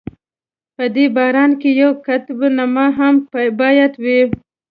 په دې باران کې یوه قطب نما هم باید وي.